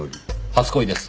初恋です。